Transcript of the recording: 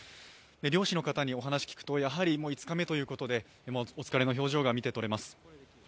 漁師の方にお話を聞くと、５日目ということで、もうお疲れの表情が見て取れます。